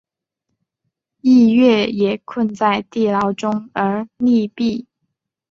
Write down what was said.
逸悦也困在地牢中而溺毙。